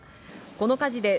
この火事で、